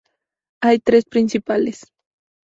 Hay tres principales.